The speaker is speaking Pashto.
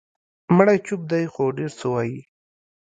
مړی چوپ دی، خو ډېر څه وایي.